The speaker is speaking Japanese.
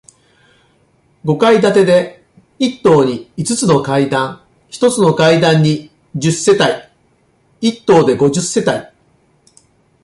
五階建てで、一棟に五つの階段、一つの階段に十世帯、一棟で五十世帯。